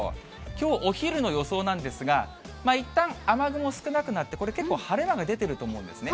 きょうお昼の予想なんですが、いったん、雨雲少なくなって、これ、結構晴れ間が出てると思うんですね。